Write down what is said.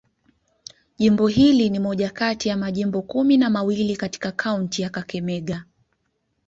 Jimbo hili ni moja kati ya majimbo kumi na mawili katika kaunti ya Kakamega.